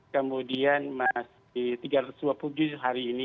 kemudian masih tiga ratus dua puluh tujuh hari ini